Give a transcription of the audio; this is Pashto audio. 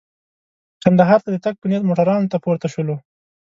کندهار ته د تګ په نیت موټرانو ته پورته شولو.